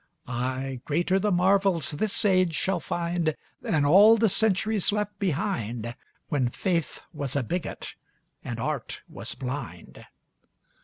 Ay, greater the marvels this age shall find Than all the centuries left behind, When faith was a bigot and art was blind.